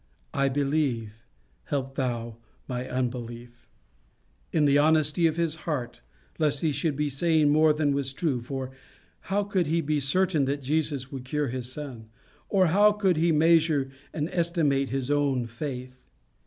"I believe; help thou mine unbelief." In the honesty of his heart, lest he should be saying more than was true for how could he be certain that Jesus would cure his son? or how could he measure and estimate his own faith?